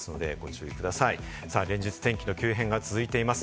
連日、天気の急変が続いております。